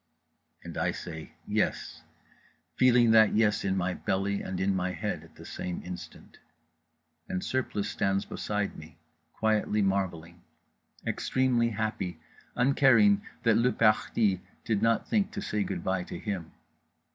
_" and I say Yes, feeling that Yes in my belly and in my head at the same instant; and Surplice stands beside me, quietly marvelling, extremely happy, uncaring that le parti did not think to say good bye to him.